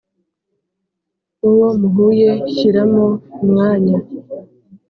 uwo muhuye shyiramo umwanya.